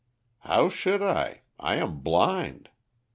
"How should I? I am blind.